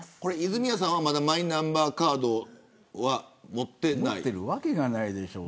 泉谷さんはマイナンバーカードは持ってるわけないでしょ。